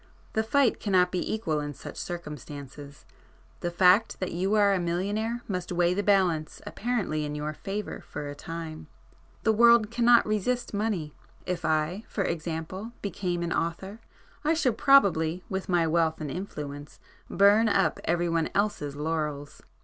The fight cannot be equal in such circumstances. The fact that you are a millionaire must weigh the balance apparently in your favour for a time. The world cannot resist money. If I, for example, became an author, I should probably with my wealth and influence, burn up every one else's laurels.